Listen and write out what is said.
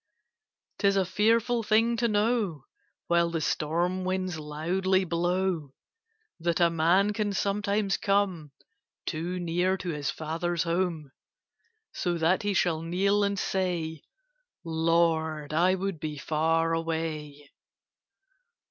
'Tis a fearful thing to know, While the storm winds loudly blow, That a man can sometimes come Too near to his father's home; So that he shall kneel and say, "Lord, I would be far away!"